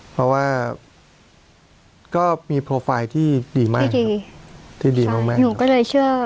เพราะว่าก็มีโปรไฟล์ที่ดีมากที่ดีที่ดีมากมากหนูก็เลยเชื่อ